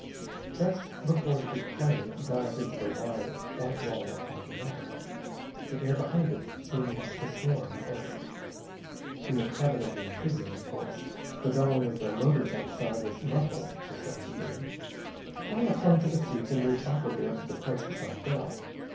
Just before the big plane dived into the wide white wall of falling water, the air behind it seemed to swarm with aircraft. In the cabin of the amphibian, of course, the bellowing of the motors outside was muffled to a certain degree. Paula clung to the seats and moved awkwardly up to the place beside Bell.